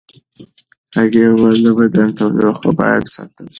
هغې وویل د بدن تودوخه باید ساتل شي.